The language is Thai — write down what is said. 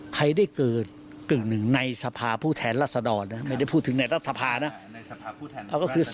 ใครได้เกิดกึ่งหนึ่งในสภาผู้แทนรัศดรนะไม่ได้พูดถึงในรัฐสภานะ